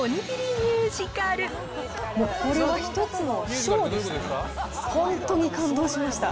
もうこれは一つのショーでしたね。